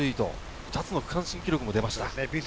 ２つの区間新記録が出ました。